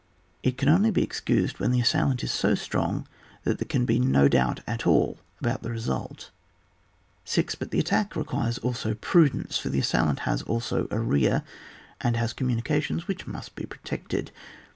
It can only be ex cused when the assailant is so strong that there can be no doubt at all about the residt. 6. But the attack requires also pru dence, for the assailant has also a rear, and has communications which must be protected.